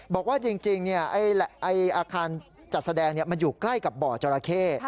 บอกว่าจริงอาคารจัดแสดงมันอยู่ใกล้กับบ่อจราเข้